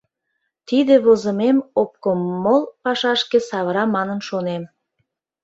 Тиде возымем обкомол пашашке савыра манын шонем.